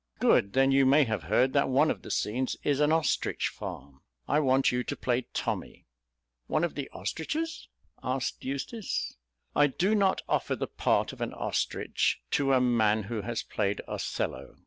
"Good. Then you may have heard that one of the scenes is an ostrich farm. I want you to play 'Tommy.'" "One of the ostriches?" asked Eustace. "I do not offer the part of an ostrich to a man who has played Othello.